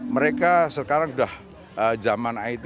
mereka sekarang sudah zaman it